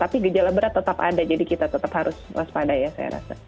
tapi gejala berat tetap ada jadi kita tetap harus waspada ya saya rasa